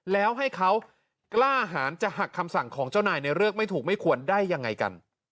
แล้วให้เขากล้าหารจะหักคำสั่งของเจ้านายในเรื่องไม่ถูกไม่ควรได้ยังไงกัน